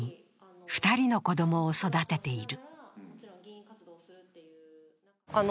２人の子供を育てている。